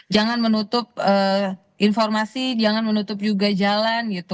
jangan menutup informasi jangan menutup juga jalan gitu